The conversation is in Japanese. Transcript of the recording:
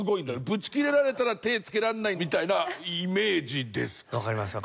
ブチ切れられたら手がつけられないみたいなイメージですかね。